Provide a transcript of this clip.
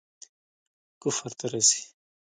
کفر ته رسي.